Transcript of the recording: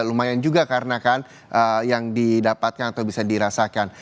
lumayan juga karena kan yang didapatkan atau bisa dirasakan